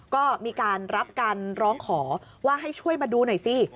ก็มีการรับการร้องขอว่าให้ช่วยมาดูหน่อยสิ